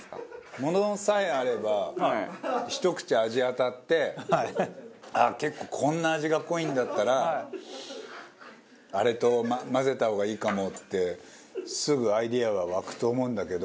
物さえあればひと口味あたってああ結構こんな味が濃いんだったらあれと混ぜた方がいいかもってすぐアイデアが湧くと思うんだけど。